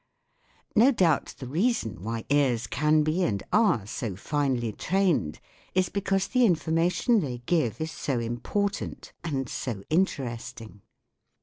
No doubt the reason why ears can be an^ are so finely trained is because the in formation they give is so import ant and so inter esting.